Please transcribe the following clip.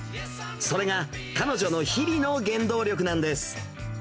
それが、彼女の日々の原動力なんです。